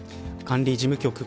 管理事務局